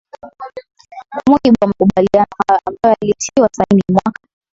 kwa mujibu wa makubaliano hayo ambayo yalitiwa saini mwaka